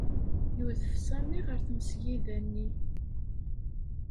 Yudef Sami ɣer tmesgida-nni.